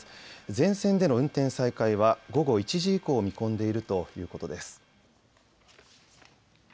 全線での運転再開は午後１時以降を見込んでいるということです。